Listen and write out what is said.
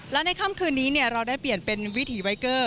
และในค่ำคืนนี้เราได้เปลี่ยนเป็นวิถีไวเกอร์